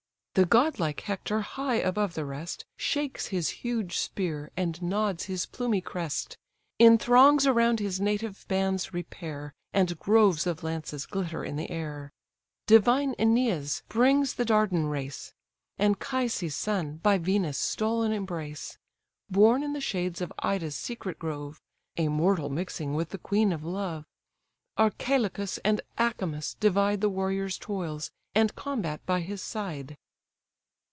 The godlike Hector, high above the rest, Shakes his huge spear, and nods his plumy crest: In throngs around his native bands repair, And groves of lances glitter in the air. Divine Æneas brings the Dardan race, Anchises' son, by Venus' stolen embrace, Born in the shades of Ida's secret grove; (A mortal mixing with the queen of love;) Archilochus and Acamas divide The warrior's toils, and combat by his side.